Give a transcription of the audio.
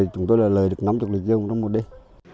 chúng tôi là lời được nắm được lịch dụng trong một đêm